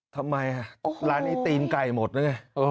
ทำไมร้านนี้ตีนไก่หมดแล้วไง